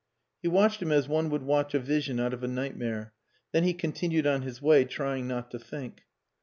He watched him as one would watch a vision out of a nightmare, then he continued on his way, trying not to think.